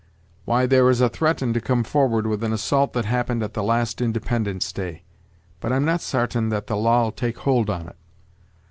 "Why, there is a threaten to come forward with an assault that happened at the last independence day; but I'm not sartain that the law'll take hold on't.